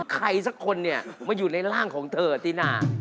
ใครสักคนเนี่ยมาอยู่ในร่างของเธอตินา